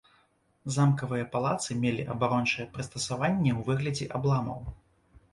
Замкавыя палацы мелі абарончыя прыстасаванні ў выглядзе абламаў.